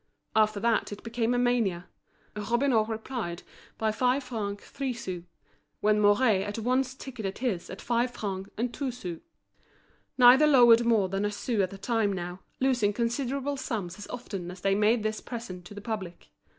After that it became a mania: Robineau replied by five francs three sous, when Mouret at once ticketed his at five francs and two sous. Neither lowered more than a sou at a time now, losing considerable sums as often as they made this present to the public.